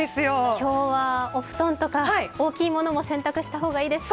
今日はお布団とか大きいものとか洗濯した方がいいですかね。